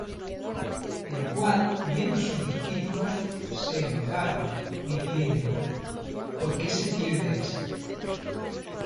Lo cual viendo sus discípulos, se enojaron, diciendo: ¿Por qué se pierde esto?